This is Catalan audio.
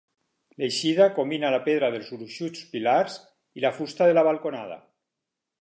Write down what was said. L'eixida combina la pedra dels gruixuts pilars i la fusta de la balconada.